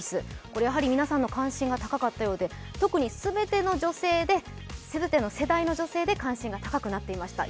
これ、やはり皆さんの関心が高かったようで特に全ての世代の女性で関心が高くなっていました。